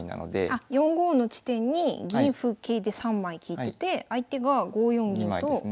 あっ４五の地点に銀歩桂で３枚利いてて相手が５四銀と４四歩の２枚。